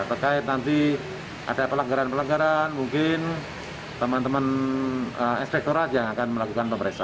terkait nanti ada pelanggaran pelanggaran mungkin teman teman inspektorat yang akan melakukan pemeriksaan